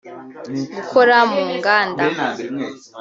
gukora mu nganda